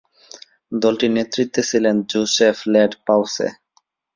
দলটির নেতৃত্বে ছিলেন জোসেফ লেড পাওসে।